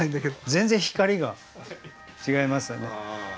全然光が違いますよね。